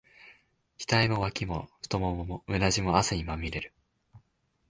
額も、脇も、太腿も、うなじも、汗にまみれる。